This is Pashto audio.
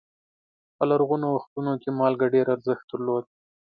په لرغونو وختونو کې مالګه ډېر ارزښت درلود.